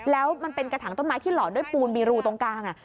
แล้วมันเป็นกระถางต้นไม้ที่หล่อด้วยปูนมีรูตรงกลาง